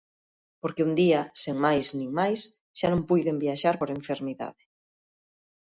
Porque un día, sen máis nin máis, xa non puiden viaxar por enfermidade.